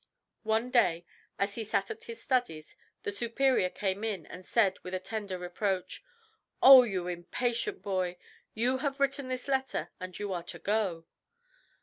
One day, as he sat at his studies, the Superior came in, and said, with a tender reproach, "Oh, you impatient boy! you have written this letter, and you are to go."